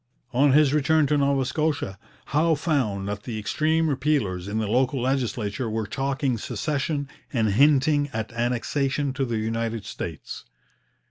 On his return to Nova Scotia, Howe found that the extreme repealers in the local legislature were talking secession and hinting at annexation to the United States.